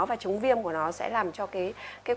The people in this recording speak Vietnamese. và chống viêm của nó sẽ làm cho cái